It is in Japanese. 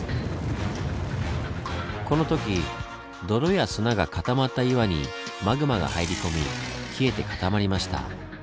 この時泥や砂が固まった岩にマグマが入り込み冷えて固まりました。